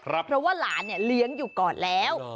เพราะว่าหลานเลี้ยงอยู่ก่อนแล้ว